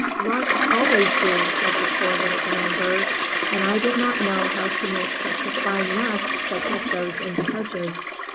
"Larks always do/' said the poor little brown bird; "and I did not know how to make a fine nest such as those in the hedges.